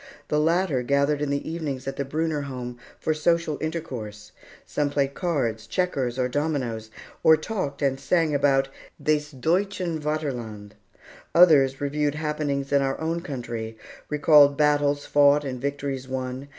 The latter gathered in the evenings at the Brunner home for social intercourse. Some played cards, checkers, and dominoes, or talked and sang about "des Deutschen Vaterland." Others reviewed happenings in our own country, recalled battles fought and victories won.